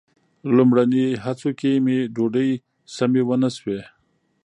لومړني هڅو کې مې ډوډۍ سمې ونه شوې.